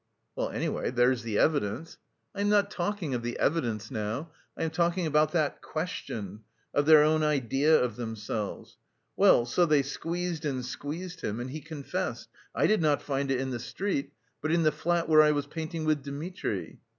"Well, anyway, there's the evidence." "I am not talking of the evidence now, I am talking about that question, of their own idea of themselves. Well, so they squeezed and squeezed him and he confessed: 'I did not find it in the street, but in the flat where I was painting with Dmitri.